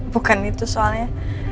bukan itu soalnya